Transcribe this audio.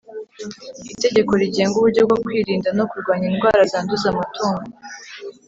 Itegeko rigenga uburyo bwo kwirinda no kurwanya indwara zanduza amatungo